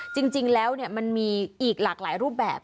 จริงแล้วมันมีอีกหลากหลายรูปแบบ